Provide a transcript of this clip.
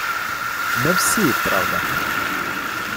Не всі, правда.